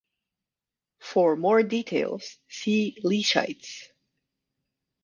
For more details, see "Lechites".